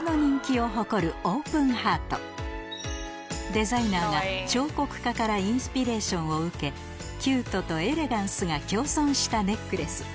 デザイナーが彫刻家からインスピレーションを受けキュートとエレガンスが共存したネックレス